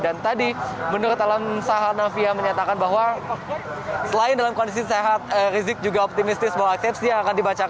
dan tadi menurut alamso hanafiah menyatakan bahwa selain dalam kondisi sehat rizik juga optimistis bahwa aksepsi yang akan dibacakan